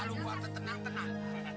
lalu buatnya tenang tenang